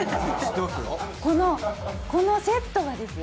このこのセットがですよ？